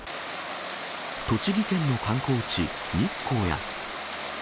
栃木県の観光地、日光や。